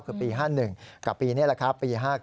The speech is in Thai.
คือปี๕๑กับปีนี้แหละครับปี๕๙